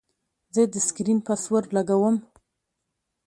زه د سکرین پاسورډ لګوم.